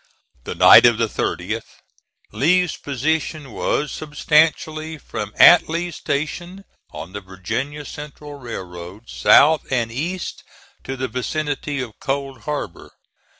The night of the 30th Lee's position was substantially from Atlee's Station on the Virginia Central Railroad south and east to the vicinity of Cold Harbor.